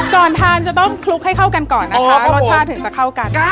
ก่อนทานจะต้องคลุกให้เข้ากันก่อนนะคะเพราะรสชาติถึงจะเข้ากัน